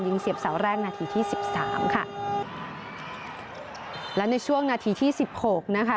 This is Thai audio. เสียบเสาแรกนาทีที่สิบสามค่ะและในช่วงนาทีที่สิบหกนะคะ